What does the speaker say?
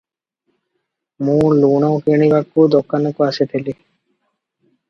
ମୁଁ ଲୁଣ କିଣିବାକୁ ଦୋକାନକୁ ଆସିଥିଲି ।